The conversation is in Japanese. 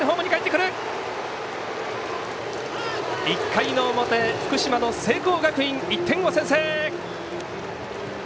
１回の表、福島の聖光学院１点を先制！